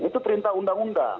itu perintah undang undang